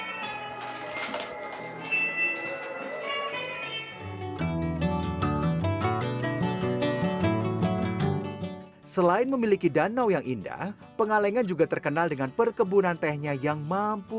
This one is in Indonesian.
hai selain memiliki danau yang indah pengalengan juga terkenal dengan perkebunan tehnya yang mampu